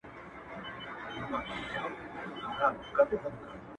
ه تا خو تل تر تله په خپگان کي غواړم.